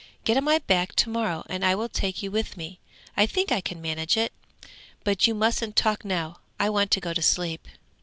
Get on my back to morrow and I will take you with me; I think I can manage it! But you mustn't talk now, I want to go to sleep.'